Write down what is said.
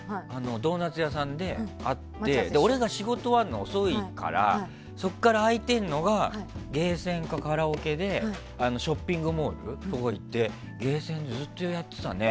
ドーナツ屋さんで会って俺が仕事終わるの遅いからそこから開いてるのがゲーセンかカラオケでショッピングモールとか行ってゲーセンずっとやってたね。